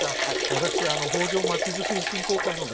私北条街づくり振興会のですね